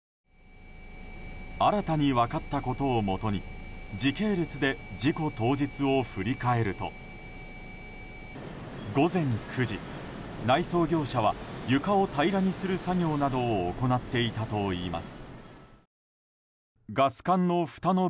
新たに分かったことをもとに時系列で事故当日を振り返ると午前９時、内装業者は床を平らにする作業を行っていたといいます。